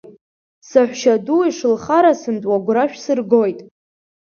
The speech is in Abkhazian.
Саҳәшьаду ишылхарасымтәуа агәра шәсыргоит.